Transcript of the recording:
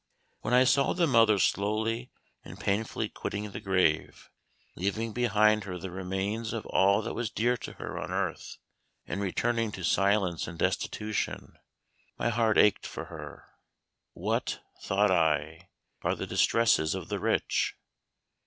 When I saw the mother slowly and painfully quitting the grave, leaving behind her the remains of all that was dear to her on earth, and returning to silence and destitution, my heart ached for her. What, thought I, are the distresses of the rich?